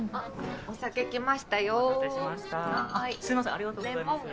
ありがとうございます。